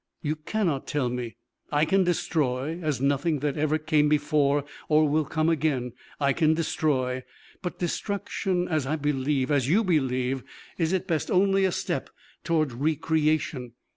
You cannot tell me. I can destroy. As nothing that ever came before or will come again, I can destroy. But destruction as I believe, as you believe is at best only a step toward re creation.